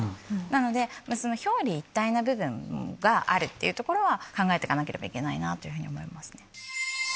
なので表裏一体な部分があるっていうところは考えて行かなければいけないなというふうに思いますね。